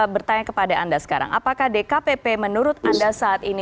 waalaikumsalam warahmatullahi wabarakatuh